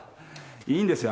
いいんですよ